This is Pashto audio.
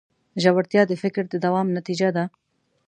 ژورتیا د فکر د دوام نتیجه ده.